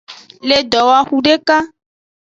Le dowoxu deka.